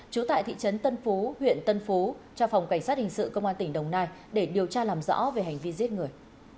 trú tại thị trấn tân phú huyện tân phú cho phòng cảnh sát hình sự công an tỉnh đồng nai để điều tra làm rõ về hành vi giết người